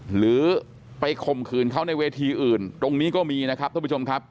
หรือไปข่มขืนเขาในเวทีอื่นตรงนี้ก็มีนะครับท่านผู้ชมครับ